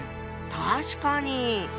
確かに。